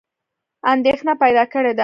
اندېښنه پیدا کړې ده.